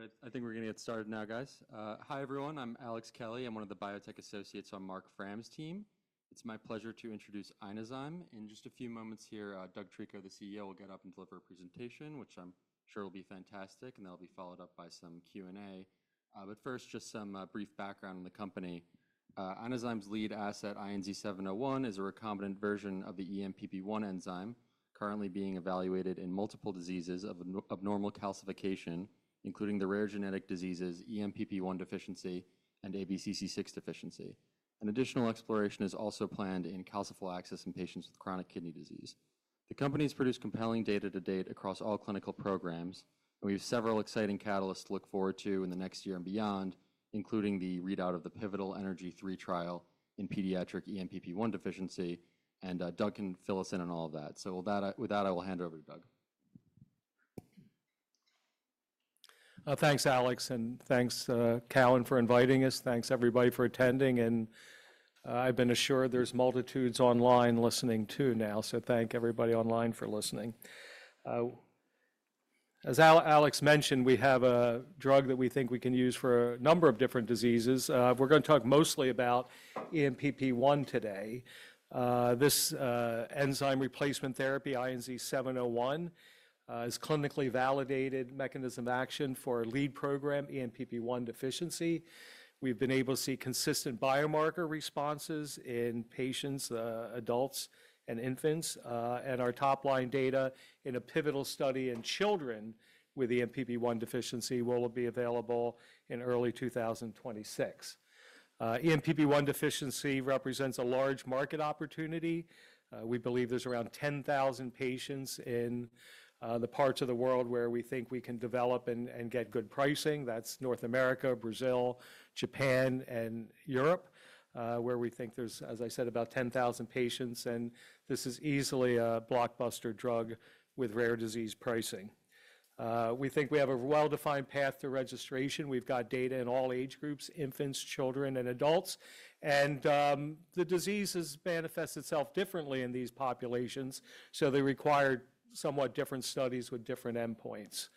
All right, I think we're going to get started now, guys. Hi, everyone. I'm Alex Kelly. I'm one of the biotech associates on Mark Pahn's team. It's my pleasure to introduce Inozyme in just a few moments here. Doug Treco, the CEO, will get up and deliver a presentation, which I'm sure will be fantastic, and that'll be followed up by some Q&A. First, just some brief background on the company. Inozyme's lead asset, INZ701, is a recombinant version of the ENPP1 enzyme, currently being evaluated in multiple diseases of abnormal calcification, including the rare genetic diseases ENPP1 deficiency and ABCC6 deficiency. An additional exploration is also planned in calciphylaxis in patients with chronic kidney disease. The company has produced compelling data to date across all clinical programs, and we have several exciting catalysts to look forward to in the next year and beyond, including the readout of the pivotal Energy 3 trial in pediatric ENPP1 deficiency, and Doug can fill us in on all of that. With that, I will hand it over to Doug. Thanks, Alex, and thanks, Cowen, for inviting us. Thanks, everybody, for attending. I've been assured there's multitudes online listening too now, so thank everybody online for listening. As Alex mentioned, we have a drug that we think we can use for a number of different diseases. We're going to talk mostly about ENPP1 today. This enzyme replacement therapy, INZ701, is a clinically validated mechanism of action for lead program ENPP1 deficiency. We've been able to see consistent biomarker responses in patients, adults, and infants, and our top-line data in a pivotal study in children with ENPP1 deficiency will be available in early 2026. ENPP1 deficiency represents a large market opportunity. We believe there's around 10,000 patients in the parts of the world where we think we can develop and get good pricing. That's North America, Brazil, Japan, and Europe, where we think there's, as I said, about 10,000 patients, and this is easily a blockbuster drug with rare disease pricing. We think we have a well-defined path to registration. We've got data in all age groups: infants, children, and adults. The disease has manifested itself differently in these populations, so they required somewhat different studies with different endpoints.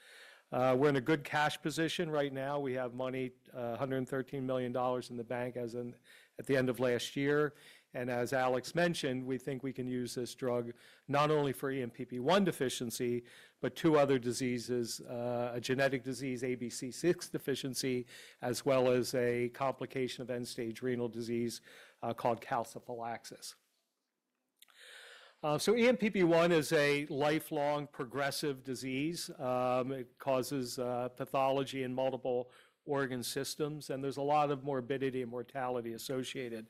We're in a good cash position right now. We have money, $113 million, in the bank at the end of last year. As Alex mentioned, we think we can use this drug not only for ENPP1 deficiency, but two other diseases: a genetic disease, ABCC6 deficiency, as well as a complication of end-stage renal disease called calciphylaxis. ENPP1 is a lifelong progressive disease. It causes pathology in multiple organ systems, and there's a lot of morbidity and mortality associated.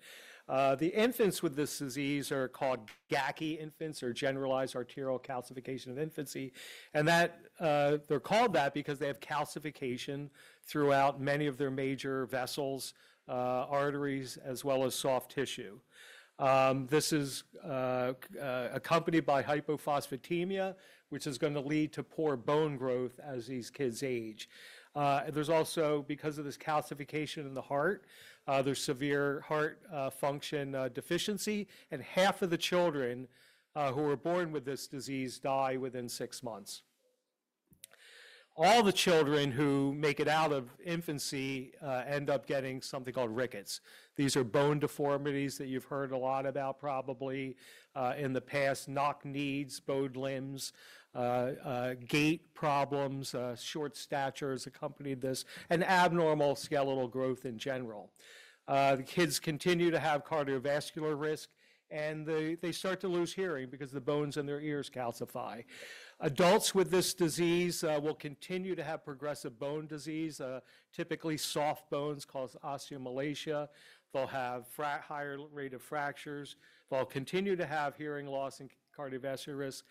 The infants with this disease are called GACI infants or generalized arterial calcification of infancy, and they're called that because they have calcification throughout many of their major vessels, arteries, as well as soft tissue. This is accompanied by hypophosphatemia, which is going to lead to poor bone growth as these kids age. There's also, because of this calcification in the heart, there's severe heart function deficiency, and half of the children who are born with this disease die within six months. All the children who make it out of infancy end up getting something called rickets. These are bone deformities that you've heard a lot about, probably in the past: knock knees, bowed limbs, gait problems, short stature has accompanied this, and abnormal skeletal growth in general. The kids continue to have cardiovascular risk, and they start to lose hearing because the bones in their ears calcify. Adults with this disease will continue to have progressive bone disease. Typically, soft bones cause osteomalacia. They'll have a higher rate of fractures. They'll continue to have hearing loss and cardiovascular risk.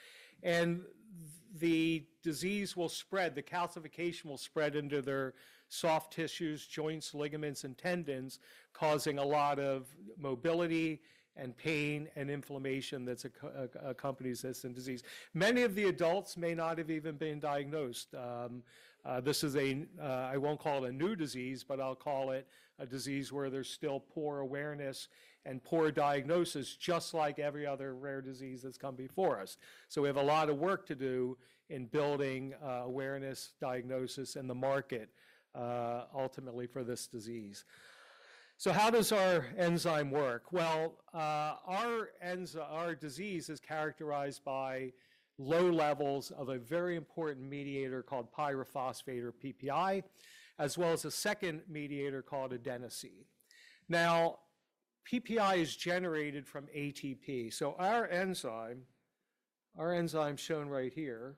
The disease will spread. The calcification will spread into their soft tissues, joints, ligaments, and tendons, causing a lot of mobility and pain and inflammation that accompanies this disease. Many of the adults may not have even been diagnosed. This is a—I won't call it a new disease, but I'll call it a disease where there's still poor awareness and poor diagnosis, just like every other rare disease that's come before us. We have a lot of work to do in building awareness, diagnosis, and the market ultimately for this disease. How does our enzyme work? Our disease is characterized by low levels of a very important mediator called pyrophosphate, or PPi, as well as a second mediator called adenosine. Now, PPi is generated from ATP. Our enzyme, our enzyme shown right here,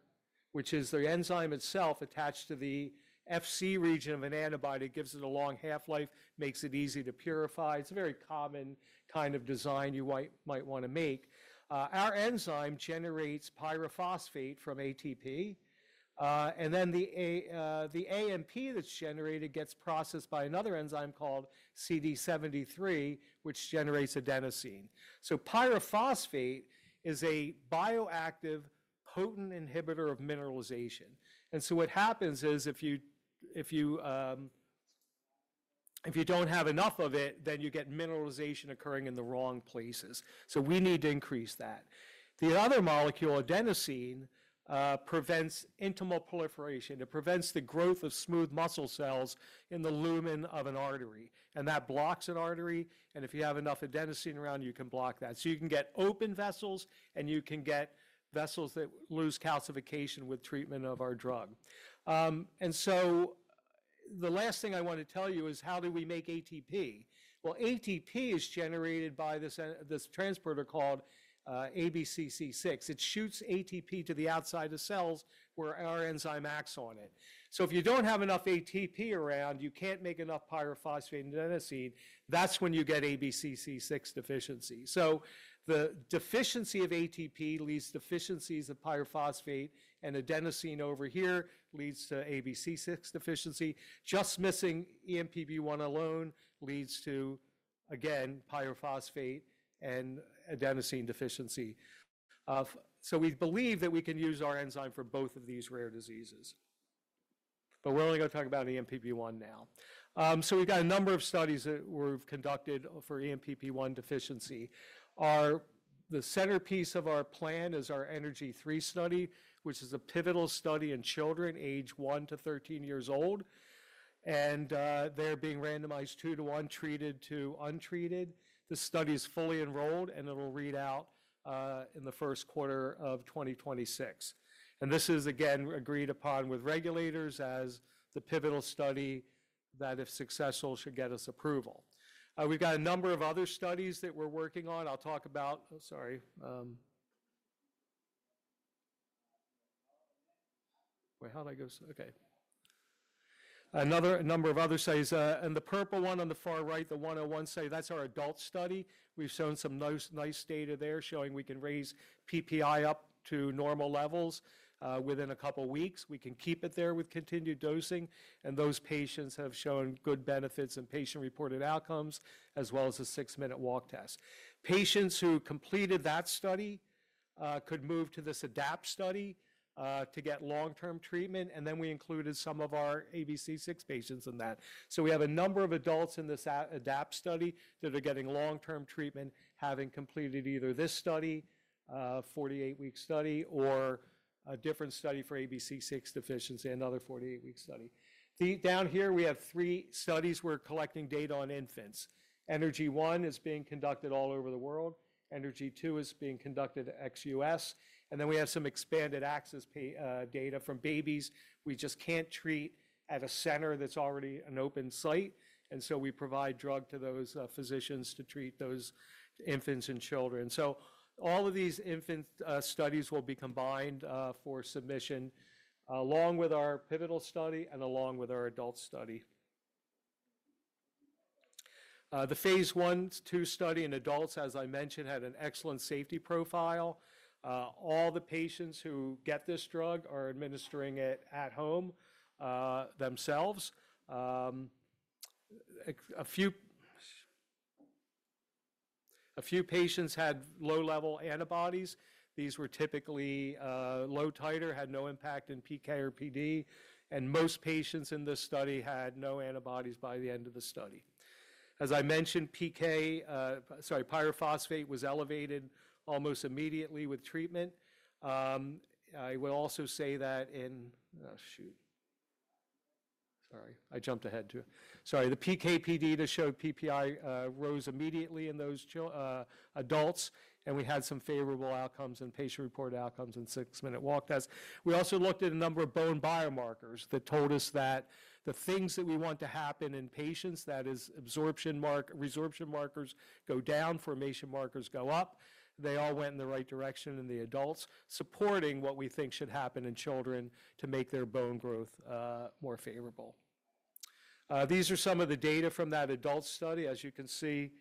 which is the enzyme itself attached to the Fc region of an antibody, gives it a long half-life, makes it easy to purify. It's a very common kind of design you might want to make. Our enzyme generates pyrophosphate from ATP, and then the AMP that's generated gets processed by another enzyme called CD73, which generates adenosine. Pyrophosphate is a bioactive potent inhibitor of mineralization. If you don't have enough of it, then you get mineralization occurring in the wrong places. We need to increase that. The other molecule, adenosine, prevents intimal proliferation. It prevents the growth of smooth muscle cells in the lumen of an artery, and that blocks an artery. If you have enough adenosine around, you can block that. You can get open vessels, and you can get vessels that lose calcification with treatment of our drug. The last thing I want to tell you is how do we make ATP? ATP is generated by this transporter called ABCC6. It shoots ATP to the outside of cells where our enzyme acts on it. If you do not have enough ATP around, you cannot make enough pyrophosphate and adenosine. That is when you get ABCC6 deficiency. The deficiency of ATP leads to deficiencies of pyrophosphate, and adenosine over here leads to ABCC6 deficiency. Just missing ENPP1 alone leads to, again, pyrophosphate and adenosine deficiency. We believe that we can use our enzyme for both of these rare diseases. We are only going to talk about ENPP1 now. We have a number of studies that were conducted for ENPP1 deficiency. The centerpiece of our plan is our Energy 3 study, which is a pivotal study in children age 1 to 13 years old. They are being randomized two-to-one treated to untreated. The study is fully enrolled, and it will read out in the first quarter of 2026. This is, again, agreed upon with regulators as the pivotal study that, if successful, should get us approval. We have a number of other studies that we are working on. I'll talk about—sorry. Wait, how did I go? Okay. Another number of other studies. The purple one on the far right, the 101 study, that is our adult study. We've shown some nice data there showing we can raise PPi up to normal levels within a couple of weeks. We can keep it there with continued dosing. Those patients have shown good benefits and patient-reported outcomes, as well as a six-minute walk test. Patients who completed that study could move to this ADAPT study to get long-term treatment. We included some of our ABCC6 patients in that. We have a number of adults in this ADAPT study that are getting long-term treatment, having completed either this study, a 48-week study, or a different study for ABCC6 deficiency, another 48-week study. Down here, we have three studies we're collecting data on infants. Energy 1 is being conducted all over the world. Energy 2 is being conducted at ex-U.S. We have some expanded access data from babies we just cannot treat at a center that is already an open site. We provide drug to those physicians to treat those infants and children. All of these infant studies will be combined for submission, along with our pivotal study and along with our adult study. The phase I-II study in adults, as I mentioned, had an excellent safety profile. All the patients who get this drug are administering it at home themselves. A few patients had low-level antibodies. These were typically low titer, had no impact in PK or PD. Most patients in this study had no antibodies by the end of the study. As I mentioned, PK—sorry, pyrophosphate—was elevated almost immediately with treatment. I will also say that in—oh, shoot. Sorry, I jumped ahead too. Sorry. The PK/PD that showed PPi rose immediately in those adults, and we had some favorable outcomes and patient-reported outcomes in six-minute walk tests. We also looked at a number of bone biomarkers that told us that the things that we want to happen in patients, that is, absorption markers, go down, formation markers go up. They all went in the right direction in the adults, supporting what we think should happen in children to make their bone growth more favorable. These are some of the data from that adult study. As you can see,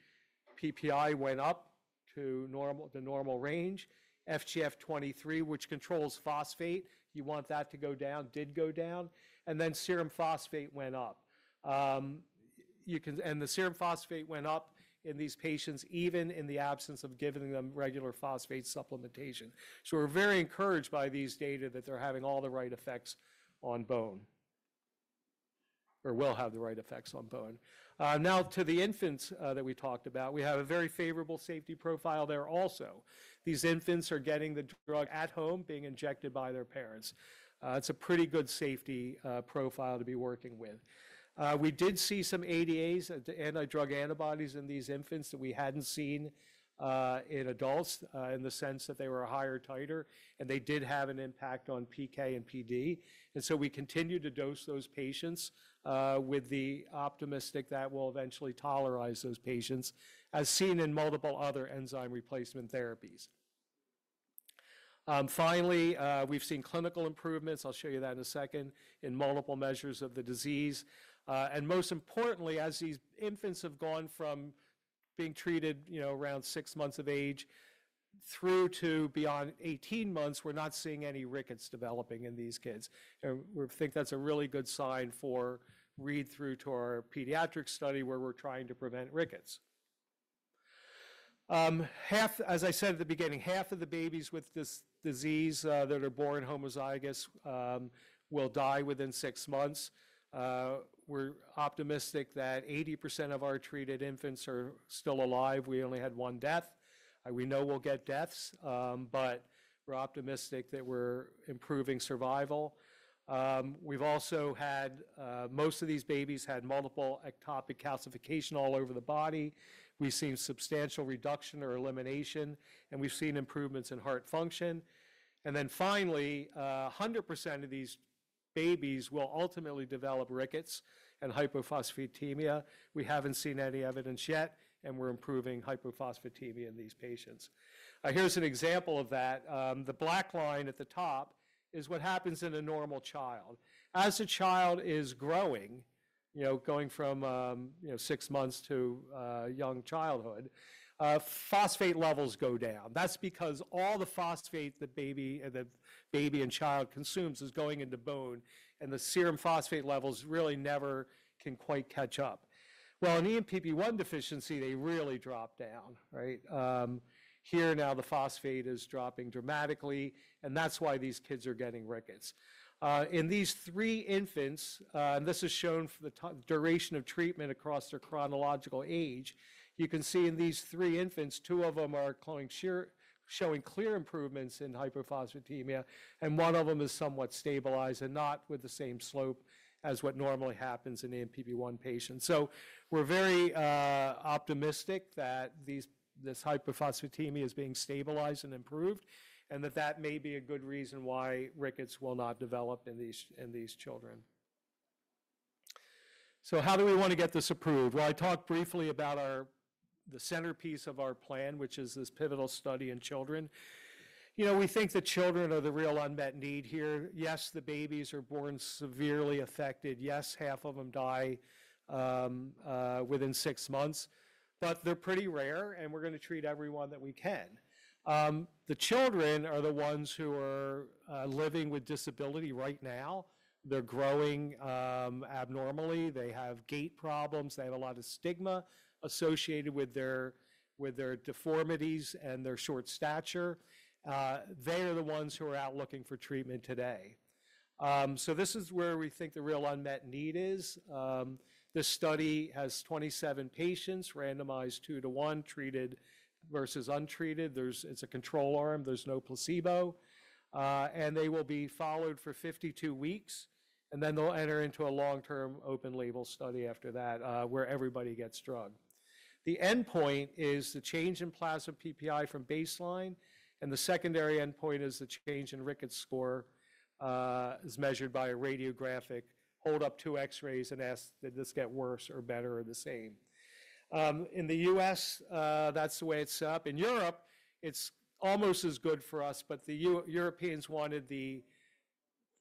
PPi went up to the normal range. FGF23, which controls phosphate, you want that to go down, did go down. The serum phosphate went up. The serum phosphate went up in these patients, even in the absence of giving them regular phosphate supplementation. We're very encouraged by these data that they're having all the right effects on bone, or will have the right effects on bone. Now, to the infants that we talked about, we have a very favorable safety profile there also. These infants are getting the drug at home, being injected by their parents. It's a pretty good safety profile to be working with. We did see some ADAs, anti-drug antibodies in these infants that we hadn't seen in adults in the sense that they were a higher titer, and they did have an impact on PK and PD. We continue to dose those patients with the optimistic that we'll eventually tolerize those patients, as seen in multiple other enzyme replacement therapies. Finally, we've seen clinical improvements. I'll show you that in a second in multiple measures of the disease. Most importantly, as these infants have gone from being treated around six months of age through to beyond 18 months, we're not seeing any rickets developing in these kids. We think that's a really good sign for read-through to our pediatric study where we're trying to prevent rickets. As I said at the beginning, half of the babies with this disease that are born homozygous will die within six months. We're optimistic that 80% of our treated infants are still alive. We only had one death. We know we'll get deaths, but we're optimistic that we're improving survival. We've also had most of these babies had multiple ectopic calcification all over the body. We've seen substantial reduction or elimination, and we've seen improvements in heart function. Finally, 100% of these babies will ultimately develop rickets and hypophosphatemia. We haven't seen any evidence yet, and we're improving hypophosphatemia in these patients. Here's an example of that. The black line at the top is what happens in a normal child. As a child is growing, going from six months to young childhood, phosphate levels go down. That's because all the phosphate the baby and child consumes is going into bone, and the serum phosphate levels really never can quite catch up. In ENPP1 deficiency, they really drop down. Right? Here now, the phosphate is dropping dramatically, and that's why these kids are getting rickets. In these three infants, and this is shown for the duration of treatment across their chronological age, you can see in these three infants, two of them are showing clear improvements in hypophosphatemia, and one of them is somewhat stabilized and not with the same slope as what normally happens in ENPP1 patients. We're very optimistic that this hypophosphatemia is being stabilized and improved, and that that may be a good reason why rickets will not develop in these children. How do we want to get this approved? I talked briefly about the centerpiece of our plan, which is this pivotal study in children. We think that children are the real unmet need here. Yes, the babies are born severely affected. Yes, half of them die within six months, but they're pretty rare, and we're going to treat everyone that we can. The children are the ones who are living with disability right now. They're growing abnormally. They have gait problems. They have a lot of stigma associated with their deformities and their short stature. They are the ones who are out looking for treatment today. This is where we think the real unmet need is. This study has 27 patients randomized two-to-one treated versus untreated. It's a control arm. There's no placebo. They will be followed for 52 weeks, and then they'll enter into a long-term open-label study after that where everybody gets drug. The endpoint is the change in plasma PPi from baseline, and the secondary endpoint is the change in rickets score as measured by a radiographic hold-up to X-rays and asked, "Did this get worse or better or the same?" In the U.S., that's the way it's set up. In Europe, it's almost as good for us, but the Europeans wanted the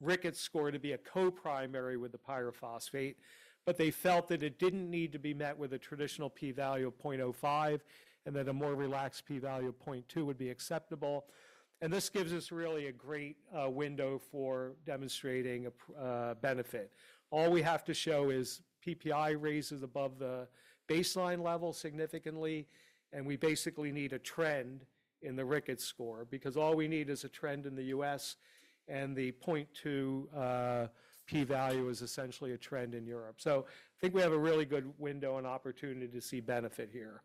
rickets score to be a co-primary with the pyrophosphate, but they felt that it didn't need to be met with a traditional P-value of 0.05 and that a more relaxed P-value of 0.2 would be acceptable. This gives us really a great window for demonstrating benefit. All we have to show is PPi raises above the baseline level significantly, and we basically need a trend in the rickets score because all we need is a trend in the U.S., and the 0.2 P-value is essentially a trend in Europe. I think we have a really good window and opportunity to see benefit here.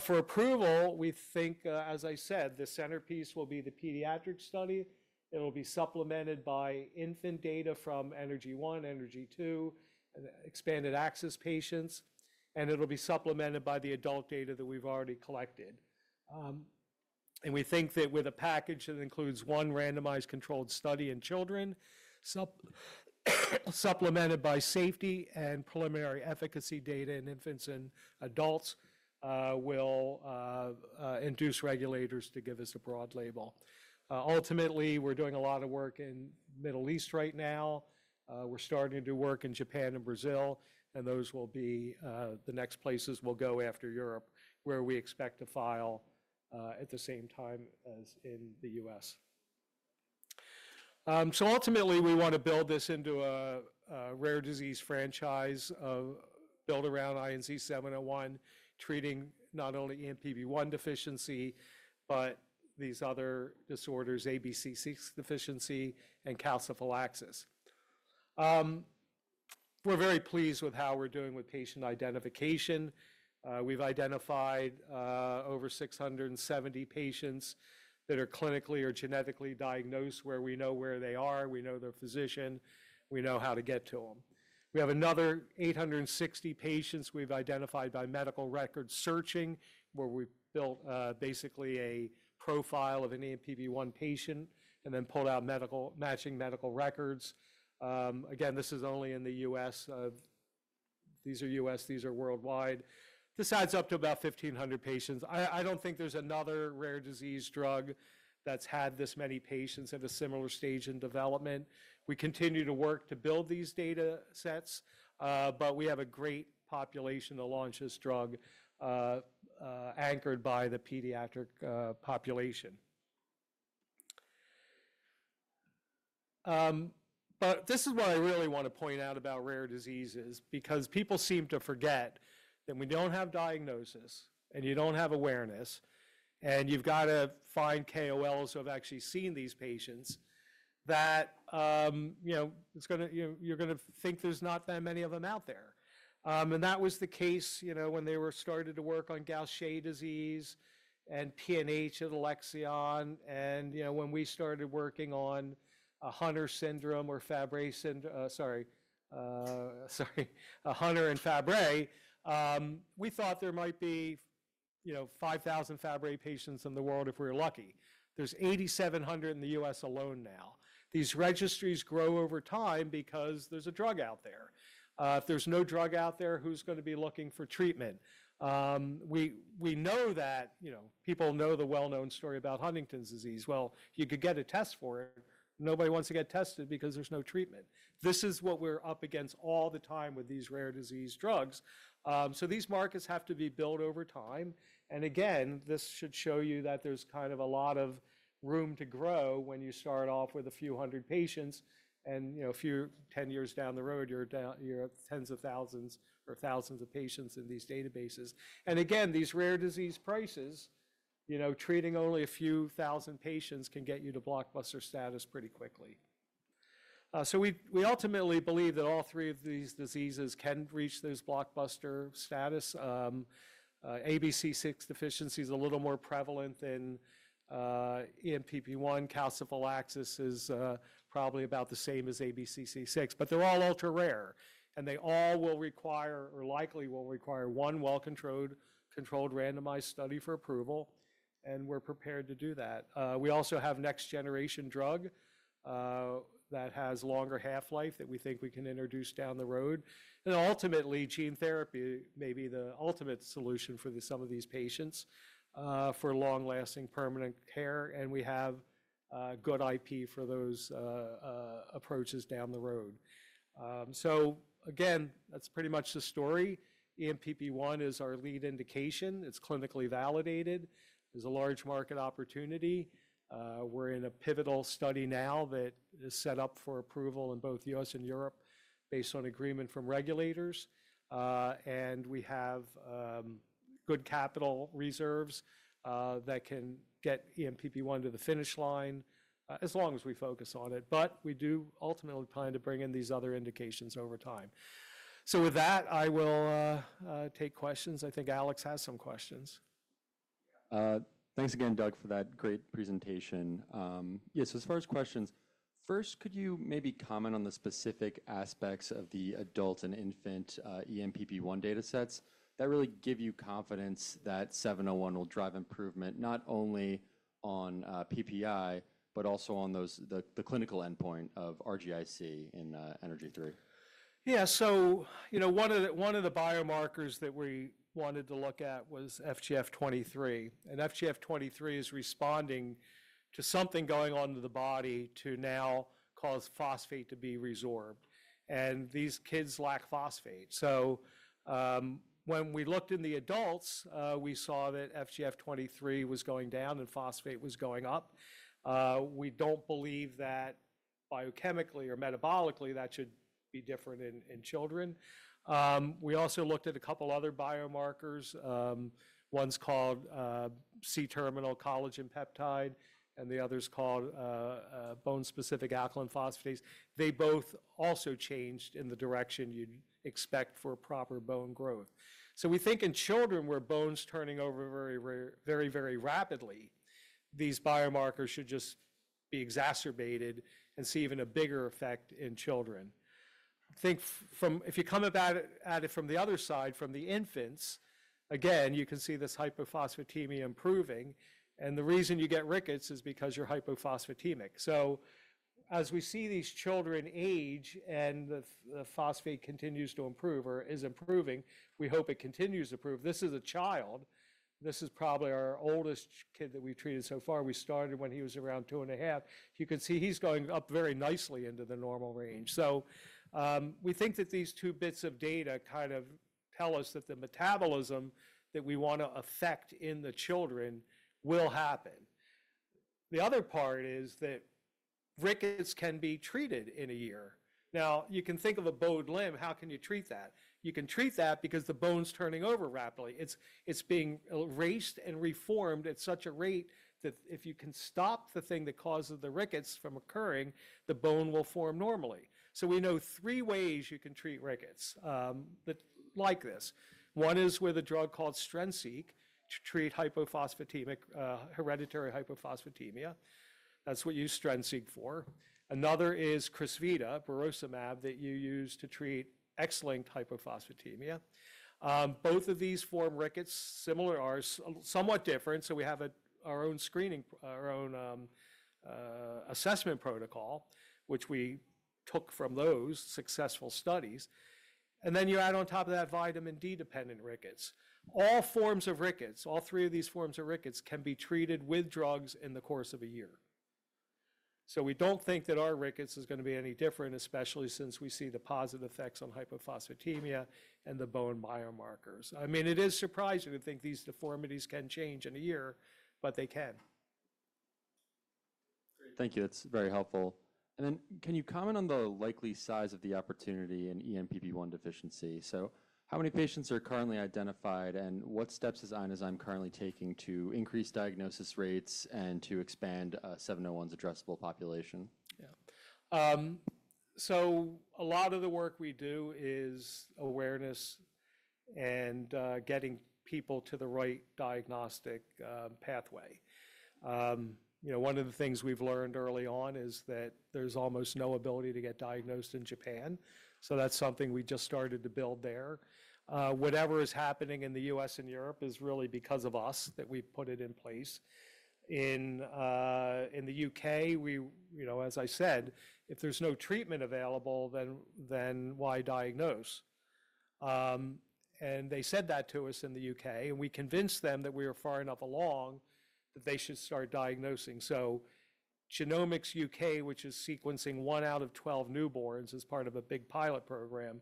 For approval, we think, as I said, the centerpiece will be the pediatric study. It'll be supplemented by infant data from Energy 1, Energy 2, and expanded access patients. It'll be supplemented by the adult data that we've already collected. We think that with a package that includes one randomized controlled study in children, supplemented by safety and preliminary efficacy data in infants and adults, will induce regulators to give us a broad label. Ultimately, we're doing a lot of work in the Middle East right now. We're starting to work in Japan and Brazil, and those will be the next places we'll go after Europe where we expect to file at the same time as in the US. Ultimately, we want to build this into a rare disease franchise built around INZ701, treating not only ENPP1 deficiency, but these other disorders, ABCC6 deficiency, and calciphylaxis. We're very pleased with how we're doing with patient identification. We've identified over 670 patients that are clinically or genetically diagnosed where we know where they are. We know their physician. We know how to get to them. We have another 860 patients we've identified by medical record searching where we built basically a profile of an ENPP1 patient and then pulled out matching medical records. Again, this is only in the US. These are US. These are worldwide. This adds up to about 1,500 patients. I don't think there's another rare disease drug that's had this many patients at a similar stage in development. We continue to work to build these data sets, but we have a great population to launch this drug anchored by the pediatric population. This is what I really want to point out about rare diseases because people seem to forget that we don't have diagnosis and you don't have awareness, and you've got to find KOLs who have actually seen these patients that you're going to think there's not that many of them out there. That was the case when they started to work on Gaucher disease and PNH at Alexion. When we started working on Hunter syndrome or Fabry syndrome—sorry, Hunter and Fabry—we thought there might be 5,000 Fabry patients in the world if we were lucky. There's 8,700 in the US alone now. These registries grow over time because there's a drug out there. If there's no drug out there, who's going to be looking for treatment? We know that people know the well-known story about Huntington's disease. You could get a test for it. Nobody wants to get tested because there's no treatment. This is what we're up against all the time with these rare disease drugs. These markets have to be built over time. This should show you that there's kind of a lot of room to grow when you start off with a few hundred patients. A few, 10 years down the road, you're at tens of thousands or thousands of patients in these databases. These rare disease prices, treating only a few thousand patients can get you to blockbuster status pretty quickly. We ultimately believe that all three of these diseases can reach this blockbuster status. ABCC6 deficiency is a little more prevalent than ENPP1. Calciphylaxis is probably about the same as ABCC6, but they're all ultra rare, and they all will require, or likely will require, one well-controlled randomized study for approval, and we're prepared to do that. We also have next-generation drug that has longer half-life that we think we can introduce down the road. Ultimately, gene therapy may be the ultimate solution for some of these patients for long-lasting, permanent care, and we have good IP for those approaches down the road. Again, that's pretty much the story. ENPP1 is our lead indication. It's clinically validated. There's a large market opportunity. We're in a pivotal study now that is set up for approval in both the US and Europe based on agreement from regulators. We have good capital reserves that can get ENPP1 to the finish line as long as we focus on it. We do ultimately plan to bring in these other indications over time. With that, I will take questions. I think Alex has some questions. Thanks again, Doug, for that great presentation. Yes, as far as questions, first, could you maybe comment on the specific aspects of the adult and infant ENPP1 data sets that really give you confidence that 701 will drive improvement not only on PPi, but also on the clinical endpoint of rickets in Energy 3? Yeah. One of the biomarkers that we wanted to look at was FGF23. FGF23 is responding to something going on in the body to now cause phosphate to be resorbed. These kids lack phosphate. When we looked in the adults, we saw that FGF23 was going down and phosphate was going up. We do not believe that biochemically or metabolically that should be different in children. We also looked at a couple of other biomarkers. One is called C-terminal collagen peptide, and the other is called bone-specific alkaline phosphatase. They both also changed in the direction you would expect for proper bone growth. We think in children where bone is turning over very, very rapidly, these biomarkers should just be exacerbated and see even a bigger effect in children. I think if you come at it from the other side, from the infants, again, you can see this hypophosphatemia improving. The reason you get rickets is because you're hypophosphatemic. As we see these children age and the phosphate continues to improve or is improving, we hope it continues to improve. This is a child. This is probably our oldest kid that we've treated so far. We started when he was around two and a half. You can see he's going up very nicely into the normal range. We think that these two bits of data kind of tell us that the metabolism that we want to affect in the children will happen. The other part is that rickets can be treated in a year. Now, you can think of a bowed limb. How can you treat that? You can treat that because the bone's turning over rapidly. It's being erased and reformed at such a rate that if you can stop the thing that causes the rickets from occurring, the bone will form normally. We know three ways you can treat rickets like this. One is with a drug called Strensiq to treat hereditary hypophosphatemia. That's what you use Strensiq for. Another is Crysvita, Burosumab, that you use to treat X-linked hypophosphatemia. Both of these form rickets. Similar are somewhat different. We have our own assessment protocol, which we took from those successful studies. Then you add on top of that vitamin D-dependent rickets. All forms of rickets, all three of these forms of rickets, can be treated with drugs in the course of a year. We don't think that our rickets is going to be any different, especially since we see the positive effects on hypophosphatemia and the bone biomarkers. I mean, it is surprising to think these deformities can change in a year, but they can. Thank you. That's very helpful. Can you comment on the likely size of the opportunity in ENPP1 deficiency? How many patients are currently identified, and what steps is Inozyme currently taking to increase diagnosis rates and to expand 701's addressable population? Yeah. A lot of the work we do is awareness and getting people to the right diagnostic pathway. One of the things we've learned early on is that there's almost no ability to get diagnosed in Japan. That's something we just started to build there. Whatever is happening in the U.S. and Europe is really because of us that we've put it in place. In the U.K., as I said, if there's no treatment available, then why diagnose? They said that to us in the U.K., and we convinced them that we were far enough along that they should start diagnosing. Genomics U.K., which is sequencing one out of 12 newborns as part of a big pilot program,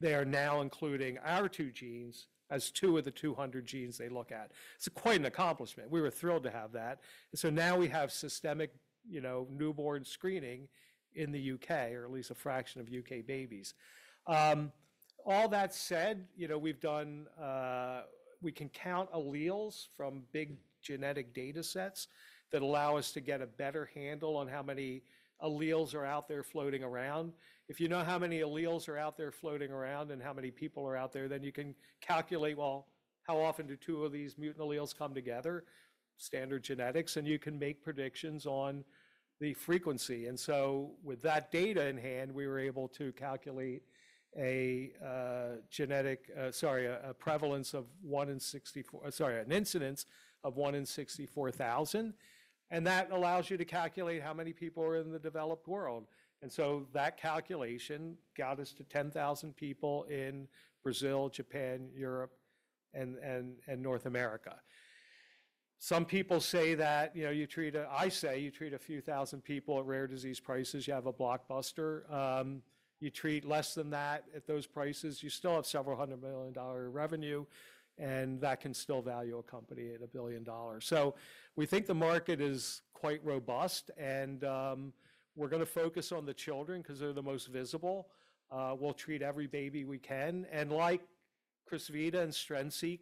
is now including our two genes as two of the 200 genes they look at. It's quite an accomplishment. We were thrilled to have that. Now we have systemic newborn screening in the U.K., or at least a fraction of U.K. babies. All that said, we can count alleles from big genetic data sets that allow us to get a better handle on how many alleles are out there floating around. If you know how many alleles are out there floating around and how many people are out there, then you can calculate, well, how often do two of these mutant alleles come together, standard genetics, and you can make predictions on the frequency. With that data in hand, we were able to calculate a genetic—sorry, a prevalence of one in 64—sorry, an incidence of one in 64,000. That allows you to calculate how many people are in the developed world. That calculation got us to 10,000 people in Brazil, Japan, Europe, and North America. Some people say that you treat—I say you treat a few thousand people at rare disease prices. You have a blockbuster. You treat less than that at those prices. You still have several hundred million dollars of revenue, and that can still value a company at a billion dollars. We think the market is quite robust, and we're going to focus on the children because they're the most visible. We'll treat every baby we can. Like Crysvita and Strensiq,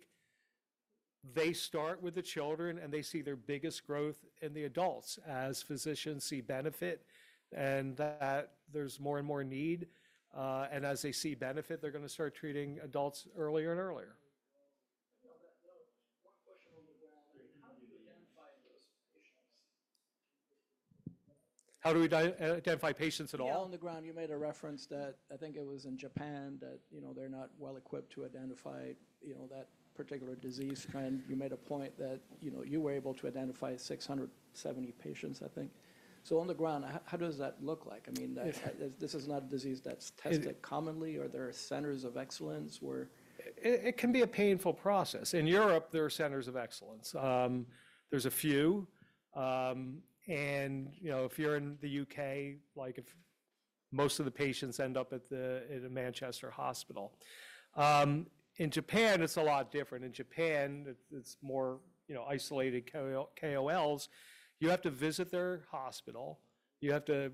they start with the children, and they see their biggest growth in the adults as physicians see benefit and that there's more and more need. As they see benefit, they're going to start treating adults earlier and earlier. One question on the ground. How do you identify those patients? How do we identify patients at all? On the ground, you made a reference that I think it was in Japan that they're not well equipped to identify that particular disease. You made a point that you were able to identify 670 patients, I think. On the ground, how does that look like? I mean, this is not a disease that's tested commonly, or there are centers of excellence where? It can be a painful process. In Europe, there are centers of excellence. There's a few. If you're in the U.K., most of the patients end up at a Manchester hospital. In Japan, it's a lot different. In Japan, it's more isolated KOLs. You have to visit their hospital. You have to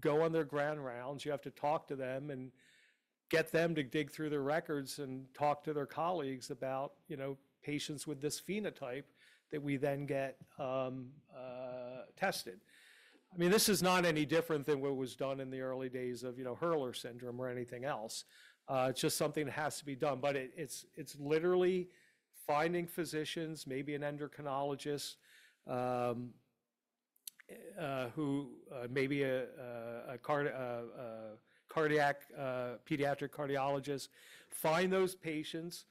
go on their ground rounds. You have to talk to them and get them to dig through their records and talk to their colleagues about patients with this phenotype that we then get tested. I mean, this is not any different than what was done in the early days of Hurler syndrome or anything else. It's just something that has to be done. But it's literally finding physicians, maybe an endocrinologist, maybe a pediatric cardiologist, find those patients,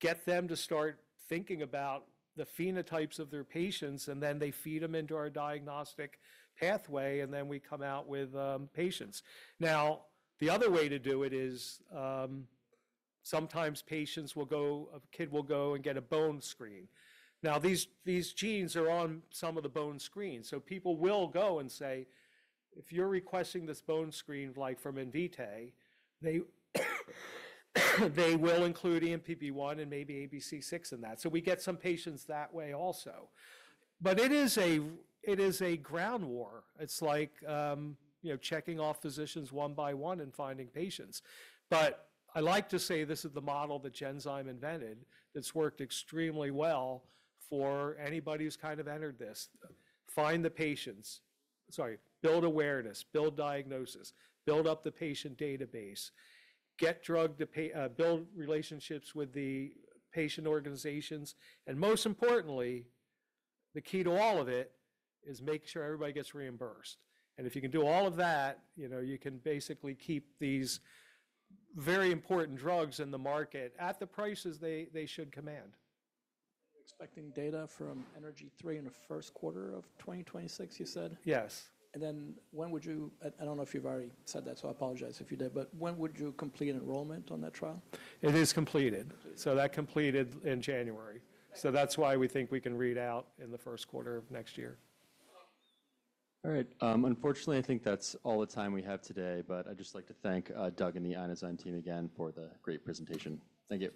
get them to start thinking about the phenotypes of their patients, and then they feed them into our diagnostic pathway, and then we come out with patients. Now, the other way to do it is sometimes patients will go—a kid will go and get a bone screen. Now, these genes are on some of the bone screens. So people will go and say, "If you're requesting this bone screen from Invitae, they will include ENPP1 and maybe ABCC6 in that." So we get some patients that way also. It is a ground war. It's like checking off physicians one by one and finding patients. I like to say this is the model that Genzyme invented that's worked extremely well for anybody who's kind of entered this. Find the patients. Sorry. Build awareness, build diagnosis, build up the patient database, build relationships with the patient organizations, and most importantly, the key to all of it is make sure everybody gets reimbursed. If you can do all of that, you can basically keep these very important drugs in the market at the prices they should command. Expecting data from Energy 3 in the first quarter of 2026, you said? Yes. When would you—I don't know if you've already said that, so I apologize if you did—but when would you complete enrollment on that trial? It is completed. That completed in January. That is why we think we can read out in the first quarter of next year. All right. Unfortunately, I think that's all the time we have today, but I'd just like to thank Doug and the Inozyme team again for the great presentation. Thank you.